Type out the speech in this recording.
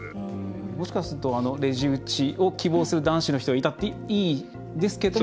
もしかするとレジ打ちを希望する男子の人がいてもいいですけど。